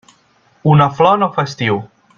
Una flor no fa estiu.